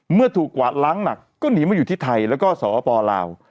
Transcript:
เมื่อถูกกวาดล้างหนักก็หนีมาอยู่ที่ไทยแล้วก็สปลาว